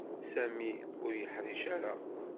Sami ur yeḥṛic ara.